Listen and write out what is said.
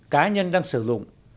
cá nhân đang sử dụng